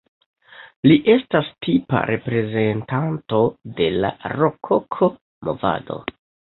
Li estas tipa reprezentanto de la rokoko-movado.